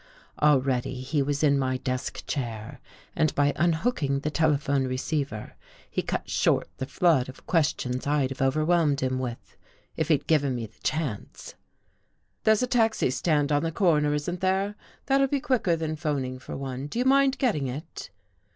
Already he was in my desk chair, and by unhooking the telephone receiver he cut short the flood of questions I'd have over whelmed him with, if he'd given me the chance. "There's a taxi stand on the corner, isn't there? That'll be quicker than 'phoning for one. Do you mind getting it?